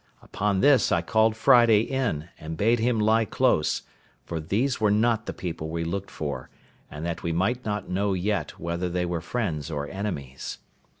Upon this I called Friday in, and bade him lie close, for these were not the people we looked for, and that we might not know yet whether they were friends or enemies.